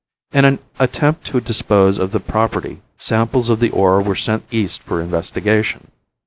In an attempt to dispose of the property samples of the ore were sent east for investigation.